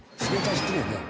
知ってるよね？